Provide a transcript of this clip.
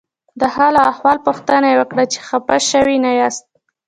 د حال او احوال پوښتنه یې وکړه چې خپه شوي نه یاست.